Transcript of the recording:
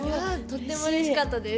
とってもうれしかったです。